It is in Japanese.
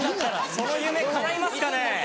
その夢かないますかね？